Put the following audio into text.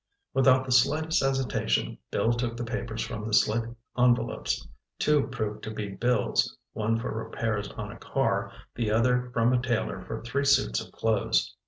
Without the slightest hesitation, Bill took the papers from the slit envelopes. Two proved to be bills; one for repairs on a car, the other from a tailor for three suits of clothes.